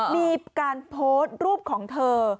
มีการโพสต์รูปของเธอ